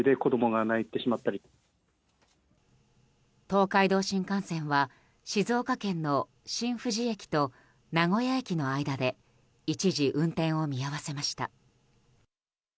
東海道新幹線は静岡県の新富士駅と名古屋駅の間で一時、運転を見合わせました。